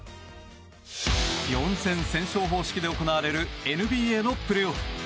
４戦先勝方式で行われるＮＢＡのプレーオフ。